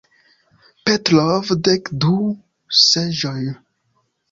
Petrov "Dek du seĝoj".